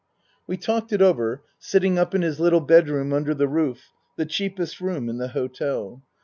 We talked it over, sitting up in his little bedroom under the roof, the^cheapest room in the hotel.